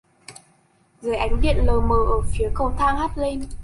Dưới ánh điện lờ mờ ở phía cầu thang hắt lên